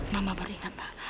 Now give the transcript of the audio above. mama baru ingat